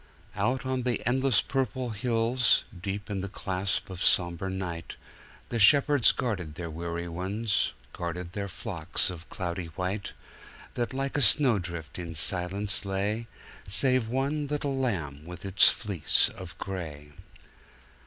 Out on the endless purple hills, deep in the clasp of somber night, The shepherds guarded their weary ones guarded their flocks of cloudy white, That like a snowdrift in silence lay, Save one little lamb with its fleece of gray.